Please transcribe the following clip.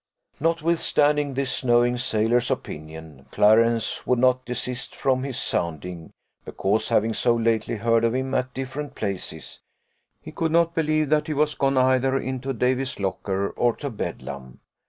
Notwithstanding this knowing sailor's opinion, Clarence would not desist from his sounding; because having so lately heard of him at different places, he could not believe that he was gone either into Davy's locker or to Bedlam.